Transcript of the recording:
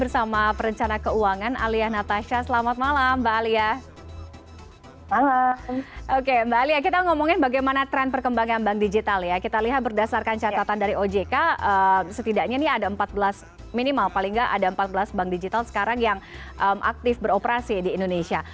sehingga ada empat belas bank digital sekarang yang aktif beroperasi di indonesia